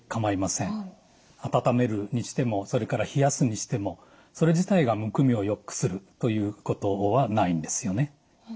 温めるにしてもそれから冷やすにしてもそれ自体がむくみをよくするということはないんですよね。